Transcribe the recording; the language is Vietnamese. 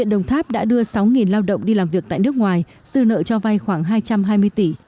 đồng tháp đã đưa sáu lao động đi làm việc tại nước ngoài dư nợ cho vay khoảng hai trăm hai mươi tỷ